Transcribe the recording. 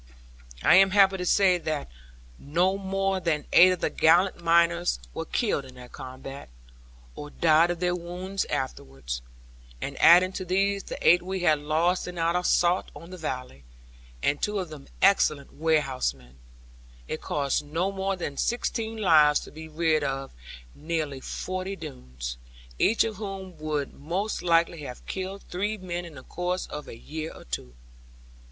I am happy to say that no more than eight of the gallant miners were killed in that combat, or died of their wounds afterwards; and adding to these the eight we had lost in our assault on the valley (and two of them excellent warehousemen), it cost no more than sixteen lives to be rid of nearly forty Doones, each of whom would most likely have killed three men in the course of a year or two.